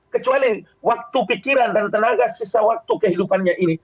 kecuali waktu pikiran dan tenaga sisa waktu kehidupannya ini